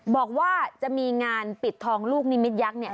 บอกว่าจะมีงานปิดทองลูกนิมิตยักษ์เนี่ย